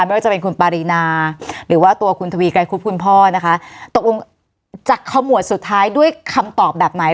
ไม่ว่าจะเป็นคุณปารีนาหรือว่าตัวคุณทวีไกรคุบคุณพ่อนะคะตกลงจากขมวดสุดท้ายด้วยคำตอบแบบไหน